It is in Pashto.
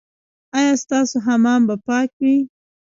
ایا ستاسو حمام به پاک وي؟